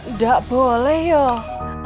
nggak boleh yuk